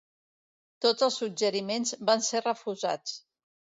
Tots els suggeriments van ser refusats.